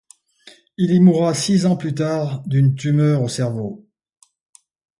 Il y mourra six ans plus tard d'une tumeur au cerveau.